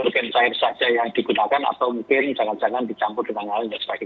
ya mungkin saya saja yang digunakan atau mungkin jangan jangan dicampur dengan hal yang tidak spagikasi